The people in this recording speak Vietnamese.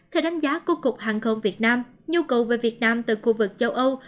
theo đánh giá của cục hàng không việt nam nhu cầu về việt nam từ khu vực châu âu